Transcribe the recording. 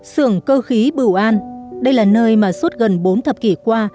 sưởng cơ khí bựu an đây là nơi mà suốt gần bốn thập kỷ qua